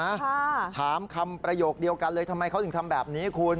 ค่ะถามคำประโยคเดียวกันเลยทำไมเขาถึงทำแบบนี้คุณ